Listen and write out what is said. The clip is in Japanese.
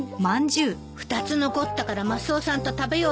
２つ残ったからマスオさんと食べようと思ったのに。